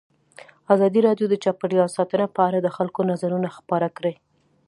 ازادي راډیو د چاپیریال ساتنه په اړه د خلکو نظرونه خپاره کړي.